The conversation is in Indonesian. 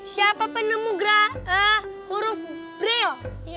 siapa penemu huruf brio